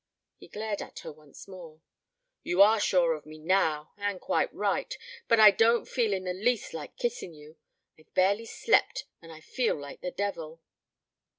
He glared at her once more. "You are sure of me now and quite right ... but I don't feel in the least like kissing you. ... I've barely slept and I feel like the devil."